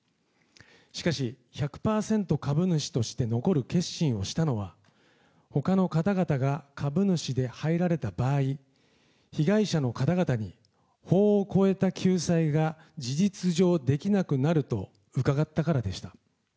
しかし、１００％株主として残る決心をしたのは、ほかの方々が株主で入られた場合、被害者の方々に法を超えた救済が事実上できなくなると伺ったからでした。